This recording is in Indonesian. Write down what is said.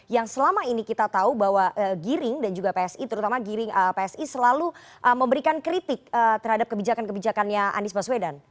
yang selama ini kita tahu bahwa giring dan juga psi terutama giring psi selalu memberikan kritik terhadap kebijakan kebijakannya anies baswedan